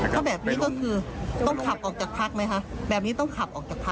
ถ้าแบบนี้ก็คือต้องขับออกจากภาคไหมคะ